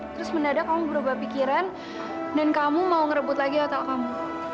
terus mendadak kamu berubah pikiran dan kamu mau ngerebut lagi otak kamu